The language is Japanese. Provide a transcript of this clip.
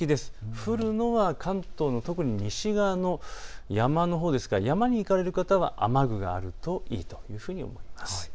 降るのは関東の特に西側の山のほうですから山に行かれる方は雨具があるといいというふうに見られます。